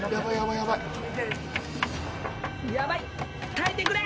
耐えてくれ！